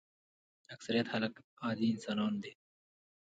اکثریت خلک عادي انسانان دي.